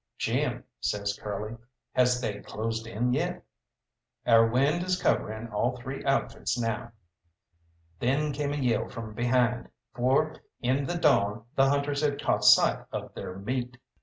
"Jim," says Curly, "has they closed in yet?" "Our wind is covering all three outfits now." Then came a yell from behind, for in the dawn the hunters had caught sight of their meat.